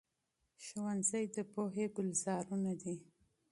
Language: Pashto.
ښوونځي د پوهې ګلزارونه دي.